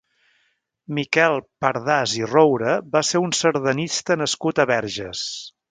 Miquel Pardàs i Roure va ser un sardanista nascut a Verges.